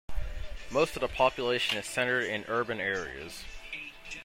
Most of the population is centered in urban areas.